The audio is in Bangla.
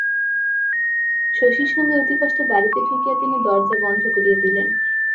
শশীর সঙ্গে অতিকষ্টে বাড়িতে ঢুকিয়া তিনি দরজা বন্ধ করিয়া দিলেন।